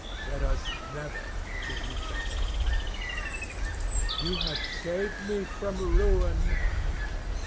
Let us never see each other again." "You have saved me from ruin, Alan.